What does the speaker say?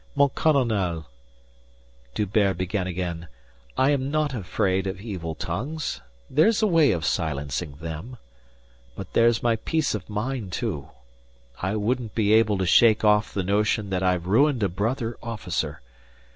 "Mon colonel" D'Hubert began again. "I am not afraid of evil tongues. There's a way of silencing them. But there's my peace of mind too. I wouldn't be able to shake off the notion that I've ruined a brother officer.